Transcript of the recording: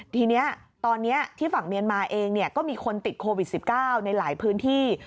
ทีนี้ตอนนี้ที่ฝั่งเมียนมาเองก็มีคนติดโควิด๑๙ในหลายพื้นที่